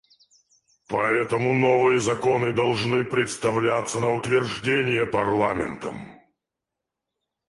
Поэтому новые законы должны представляться на утверждение парламентом.